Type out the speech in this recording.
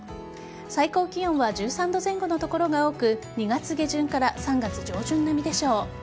最高気温は１３度前後の所が多く２月下旬から３月上旬並みでしょう。